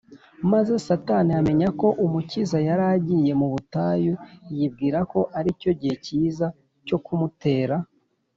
. Maze Satani amenya ko Umukiza yari agiye mu butayu, yibwira ko ari cyo gihe cyiza cyo kumutera